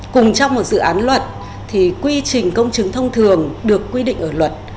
cùng trong một dự án luật thì quy trình công chứng thông thường được quy định ở luật